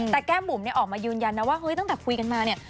แต่แก้มบุ๋มเนี่ยออกมายืนยันนะว่าเฮ้ยตั้งแต่คุยกันมาเนี่ย